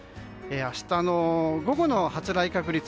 明日の午後の発雷確率